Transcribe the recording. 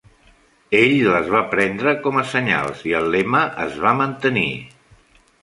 Ell les va prendre com a senyals i el lema es va mantenir.